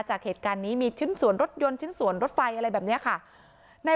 จากเหตุการณ์นี้มีชิ้นส่วนรถยนต์ชิ้นส่วนรถไฟอะไรแบบนี้ค่ะ